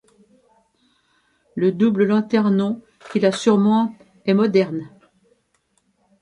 Le double lanternon qui la surmonte est moderne.